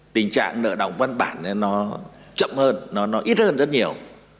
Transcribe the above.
tình trạng nợ động văn bản nó chậm hơn nó ít hơn rất nhiều